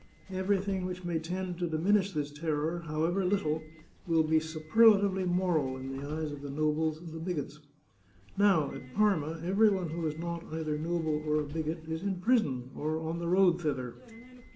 Everything which may tend to diminish this terror, however little, will be superlatively moral in the eyes of the nobles and the bigots. Now, at Parma every one who is not either noble or a bigot is in prison, or on the road thither.